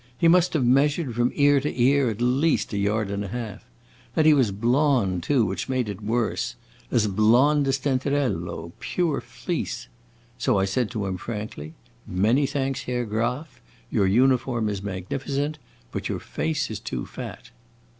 He must have measured, from ear to ear, at least a yard and a half. And he was blond, too, which made it worse as blond as Stenterello; pure fleece! So I said to him frankly, 'Many thanks, Herr Graf; your uniform is magnificent, but your face is too fat.